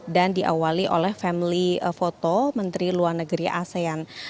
dan diawali oleh family photo menteri luar negeri asean